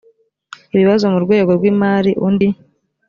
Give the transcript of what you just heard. ibibazo mu rwego rw imari undi